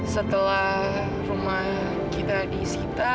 setelah rumah kita di sita